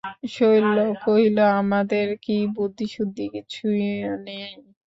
শৈল কহিল, আমাদের কি বুদ্ধিশুদ্ধি কিছু নাই?